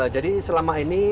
jadi selama ini